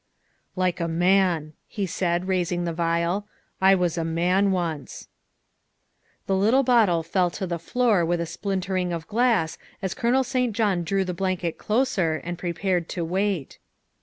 " Like a man," he said, raising the vial. " I was a man once." The little bottle fell to the floor with a splintering of glass as Colonel St. John drew the blanket closer and prepared to wait.